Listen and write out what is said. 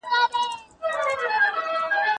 د لیکوالو یادونه زموږ د کلتوري پېژندنې وسیله ده.